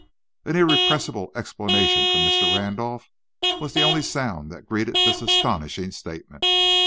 An irrepressible exclamation from Mr. Randolph was the only sound that greeted this astonishing statement.